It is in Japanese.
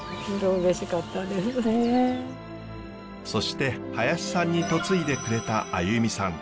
そして林さんに嫁いでくれたあゆみさん。